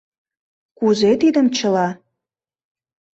Кузе тидым чыла?